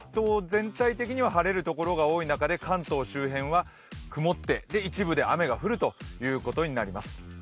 全体的には晴れる所が多い中で関東周辺は曇って、一部で雨が降るということになります。